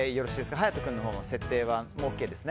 勇人君のほうの設定はＯＫですね。